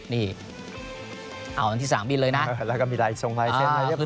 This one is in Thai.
นี่เอาอันที่๓บิ้นเลยนะแล้วก็มีใดทรงไฟเช่นไหม